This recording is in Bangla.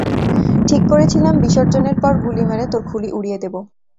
ঠিক করেছিলাম বিসর্জনের পর, গুলি মেরে তোর খুলি উঁড়িয়ে দিবো!